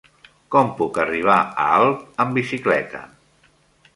Com puc arribar a Alp amb bicicleta?